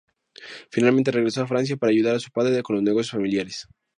Finalmente, regresó a Francia para ayudar a su padre con los negocios familiares.